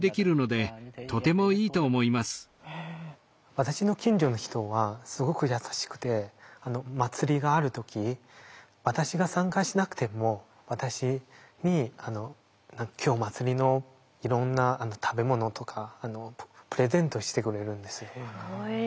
私の近所の人はすごく優しくて祭りがある時私が参加しなくても私に今日祭りのいろんな食べ物とかプレゼントしてくれるんですよ。